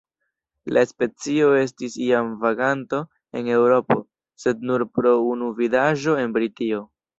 La specio estis iam vaganto en Eŭropo, sed nur pro unu vidaĵo en Britio.